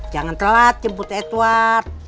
jangan telat jemput edward